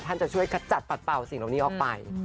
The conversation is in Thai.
จะช่วยขจัดปัดเป่าสิ่งเหล่านี้ออกไป